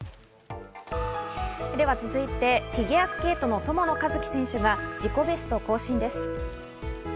続いて、フィギュアスケートの友野一希選手が自己ベスト更新です。